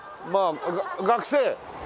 学生？